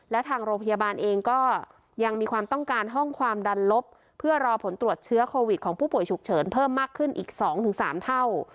และทางโรงพยาบาลเองก็ยังมีความต้องการห้องความดันลบเพื่อรอผลตรวจเชื้อโควิดของผู้ป่วยฉุกเฉินเพิ่มมากขึ้นอีก๒๓เท่า